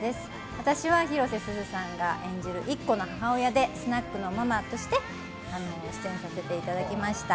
私は広瀬すずさんが演じるイッコの母親でスナックのママとして出演させていただきました。